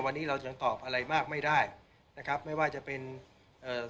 วันนี้เรายังตอบอะไรมากไม่ได้นะครับไม่ว่าจะเป็นเอ่อ